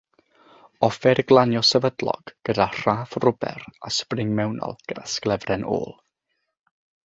Offer glanio sefydlog, gyda rhaff rwber â sbring mewnol, gyda sglefren ôl.